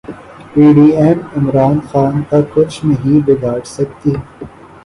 پی D M Imran Khan کا کچھ نہیں بگاڑسکتی